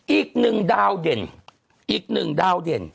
อีกหนึ่งดาวเด่นอีกหนึ่งดาวเด่น